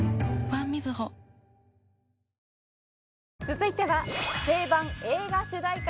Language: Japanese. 続いては。